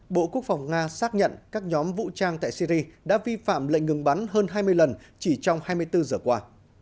bộ quốc phòng nga xác nhận các nhóm vũ trang tại syri đã vi phạm lệnh ngừng bắn hơn hai mươi lần chỉ trong hai mươi bốn giờ qua